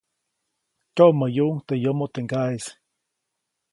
Tyoʼmäyuʼuŋ teʼ yomo teʼ ŋgaʼeʼis.